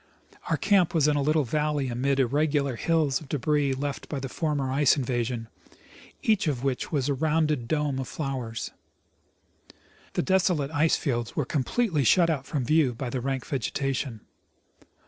Our camp was in a little valley amid irregular hills of debris left by the former ice invasion, each of which was a rounded dome of flowers. The desolate ice fields were com pletely shut out from view by the rank vegetation.